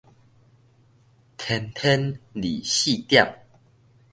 天天二四點